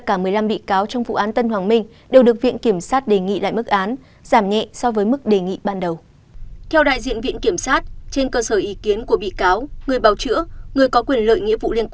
các bạn hãy đăng ký kênh để ủng hộ kênh của chúng mình nhé